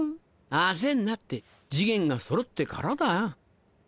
焦んなって次元がそろってからだよ。